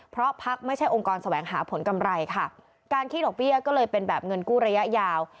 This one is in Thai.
เพราะพักไม่ใช่องค์กรแสวงหาผลกำไรค่ะการคิดดอกเบี้ยก็เลยเป็นแบบเงินกู้ระยะยาว